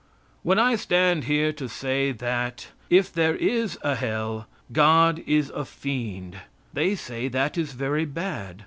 When I stand here to say that, if there is a Hell, God is a fiend, they say that is very bad.